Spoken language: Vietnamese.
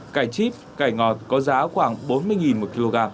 cải chip cải ngọt có giá khoảng bốn mươi một kg